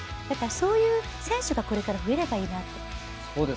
だから、そういう選手がこれから増えればいいなって。